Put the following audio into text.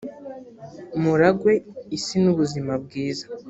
muragwe isi n’ubuzima bwiza